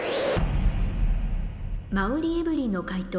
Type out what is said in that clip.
馬瓜エブリンの解答